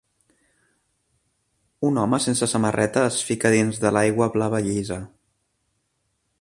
Un home sense samarreta es fica dins de l'aigua blava llisa.